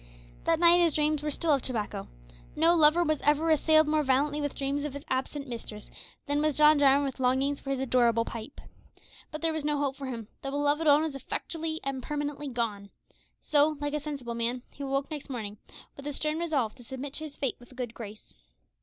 That night his dreams were still of tobacco! No lover was ever assailed more violently with dreams of his absent mistress than was John Jarwin with longings for his adorable pipe. But there was no hope for him the beloved one was effectually and permanently gone; so, like a sensible man, he awoke next morning with a stern resolve to submit to his fate with a good grace.